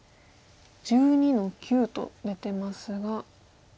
１２の九と出てますが。